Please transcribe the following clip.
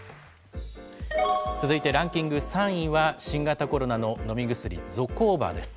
続いてランキング３位は、新型コロナの飲み薬、ゾコーバです。